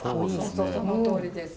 そのとおりです。